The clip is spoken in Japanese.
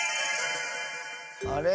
あれ？